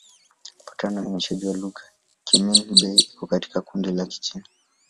Kufuatana na uainishaji wa lugha, Kimin-Bei iko katika kundi la Kichina.